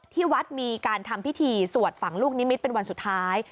ที่วัดมีการทำพิธีสวดฝังลูกนิมิตรเป็นวันสุดท้าย